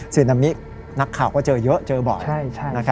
ซึนามินักข่าวก็เจอเยอะเจอบ่อย